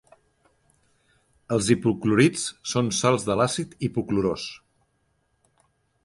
Els hipoclorits són sals de l'àcid hipoclorós.